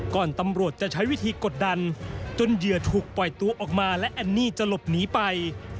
ตำรวจจะใช้วิธีกดดันจนเหยื่อถูกปล่อยตัวออกมาและแอนนี่จะหลบหนีไป